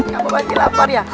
kamu pasti lapar ya